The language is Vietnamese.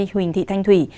huỳnh thị thanh thủy